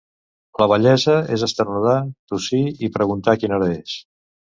La vellesa és esternudar, tossir i preguntar quina hora és.